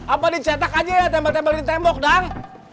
apa dicetak aja ya tembal tembalin tembok dang